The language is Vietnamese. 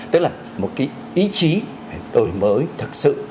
tức là một cái ý chí phải đổi mới thật sự